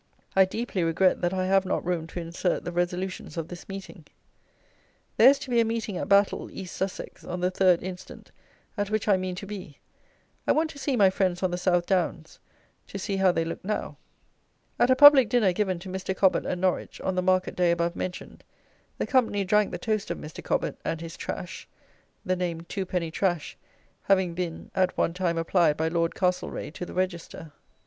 I deeply regret that I have not room to insert the resolutions of this meeting. There is to be a meeting at Battle (East Sussex) on the 3rd instant, at which I mean to be. I want to see my friends on the South Downs. To see how they look now. [At a public dinner given to Mr. Cobbett at Norwich, on the market day above mentioned, the company drank the toast of Mr. Cobbett and his "Trash," the name "two penny trash," having being at one time applied by Lord Castlereagh to the Register.